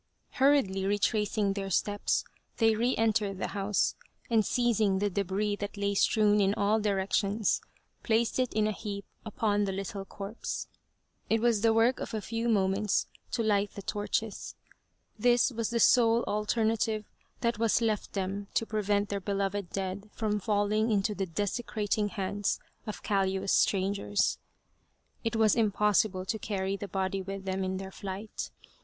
Hurriedly retracing their steps they re entered the house, and seizing the debris that lay strewn in all directions, placed it in a heap upon the little corpse. It was the work of a few moments to light the torches : this was the sole alternative that was left them to prevent their beloved dead from falling into the desecrating hands of callous strangers. It was impossible to carry the body with them in their flight.